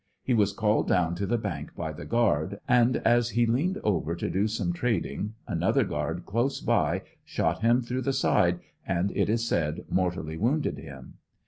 He was called down to the bank by the guard, and as he leaned over to do some trading another guard close by shot him through the side and it is said mortally wounded him.